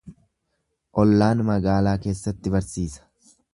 Ollaan magaalaa keessatti barsiisa.